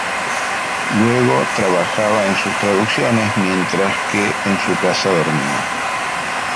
Luego trabajaba en sus traducciones, mientras que en su casa dormía.